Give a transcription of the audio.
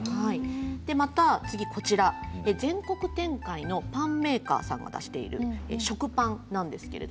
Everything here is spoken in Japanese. また全国展開のパンメーカーが出している食パンなんです。